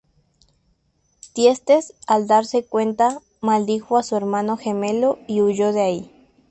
Tiestes, al darse cuenta, maldijo a su hermano gemelo y huyó de ahí.